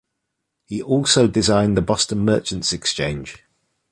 He also designed the Boston Merchants Exchange.